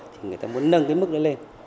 thì người ta muốn nâng cái mức đó lên